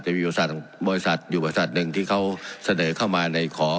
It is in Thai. อุปสรรคบริษัทอยู่บริษัทหนึ่งที่เขาเสนอเข้ามาในขอ